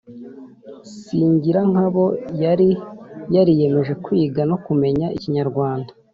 Singirankabo yari yariyemeje kwiga no kumenya ikinyarwanda